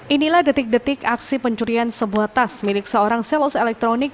inilah detik detik aksi pencurian sebuah tas milik seorang selos elektronik